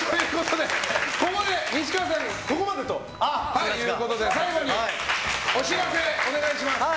西川さんはここまでということで最後にお知らせをお願いします。